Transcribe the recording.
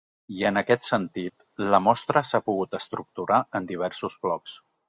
I en aquest sentit, la mostra s’ha pogut estructurar en diversos blocs.